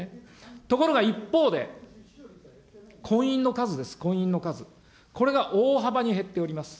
ところが一方で、婚姻の数です、婚姻の数、これが大幅に減っております。